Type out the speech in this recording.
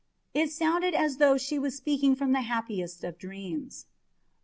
It sounded as though she was speaking from the happiest of dreams.